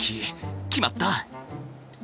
決まった。